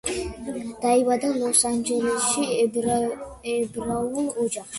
დაიბადა ლოს-ანჯელესში, ებრაულ ოჯახში.